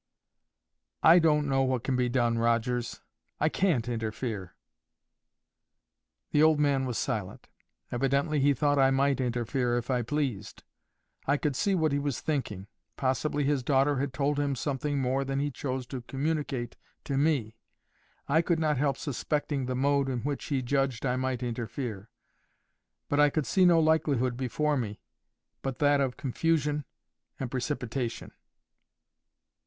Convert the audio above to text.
"I don't know what can be done, Rogers. I CAN'T interfere." The old man was silent. Evidently he thought I might interfere if I pleased. I could see what he was thinking. Possibly his daughter had told him something more than he chose to communicate to me. I could not help suspecting the mode in which he judged I might interfere. But I could see no likelihood before me but that of confusion and precipitation.